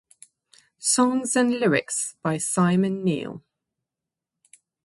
Songs and lyrics by Simon Neil.